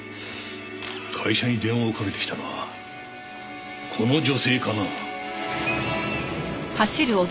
会社に電話をかけてきたのはこの女性かな。